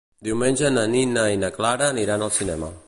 Diumenge na Nina i na Clara aniran al cinema.